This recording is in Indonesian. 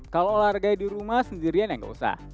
kalau olahraga di rumah sendirian ya nggak usah